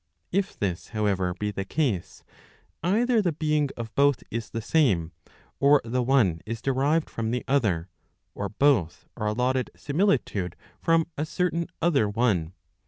If this, however, be the case, either the being ol both is the same, or the one is derived from the other, or both arc allotted similitude from a certain other one.